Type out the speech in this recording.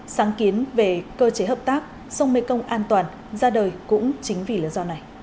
sáng kiến về cơ chế hợp tác sông mekong an toàn ra đời cũng chính vì lý do này